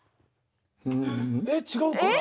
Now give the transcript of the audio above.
えっ違うかな？